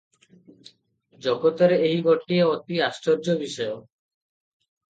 ଜଗତରେ ଏହି ଗୋଟିଏ ଅତି ଆଶ୍ଚର୍ଯ୍ୟ ବିଷୟ ।